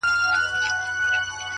علم د بریا لاره روښانه کوي.!